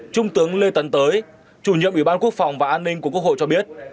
trung tướng lê tấn tới chủ nhiệm ủy ban quốc phòng và an ninh của quốc hội cho biết